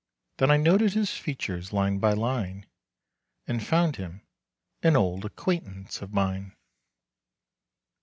Then I noted his features line by line, And found him an old acquaintance of mine.